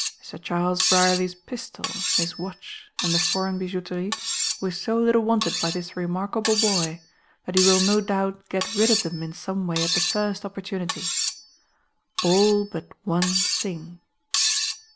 Mr. Charles Brierly's pistol, his watch, and the foreign bijouterie were so little wanted by this remarkable boy that he will no doubt get rid of them in some way at the first opportunity. All but one thing."